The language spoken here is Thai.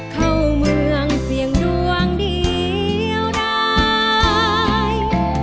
เข้าเมืองเสี่ยงดวงเดียวร้าย